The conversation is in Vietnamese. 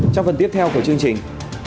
trong phần tiếp theo của chương trình